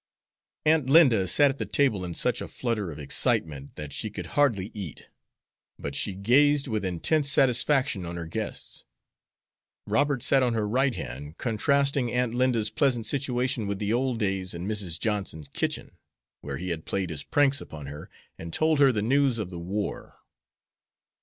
Aunt Linda sat at the table in such a flutter of excitement that she could hardly eat, but she gazed with intense satisfaction on her guests. Robert sat on her right hand, contrasting Aunt Linda's pleasant situation with the old days in Mrs. Johnson's kitchen, where he had played his pranks upon her, and told her the news of the war.